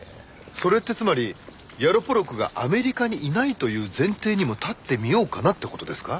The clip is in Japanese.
それってつまりヤロポロクがアメリカにいないという前提にも立ってみようかなって事ですか？